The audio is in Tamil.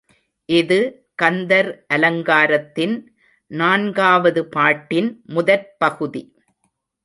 இது கந்தர் அலங்காரத்தின் நான்காவது பாட்டின் முதற் பகுதி.